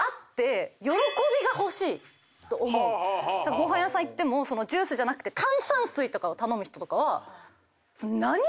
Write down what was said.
ご飯屋さん行ってもジュースじゃなくて炭酸水とかを頼む人は。